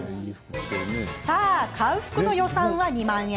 さあ、買う服の予算は２万円。